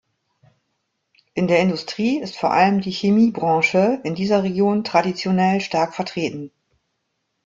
In der Industrie ist vor allem die Chemiebranche in dieser Region traditionell stark vertreten.